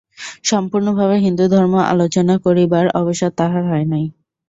সম্পূর্ণভাবে হিন্দুধর্ম আলোচনা করিবার অবসর তাঁহার হয় নাই।